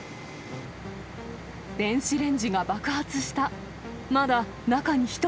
電子レンジが爆発した。